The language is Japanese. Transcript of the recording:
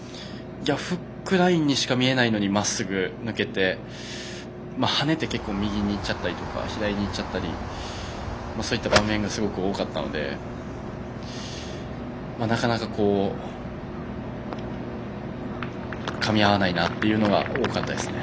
フックラインしか見えないのにまっすぐ抜けて跳ねて右に行っちゃったり左に行っちゃったりした場面が多かったのでなかなかかみ合わないなというのが多かったですね。